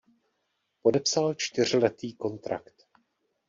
Podepsal čtyřletý kontrakt.